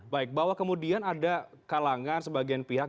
baik bahwa kemudian ada kalangan sebagian pihak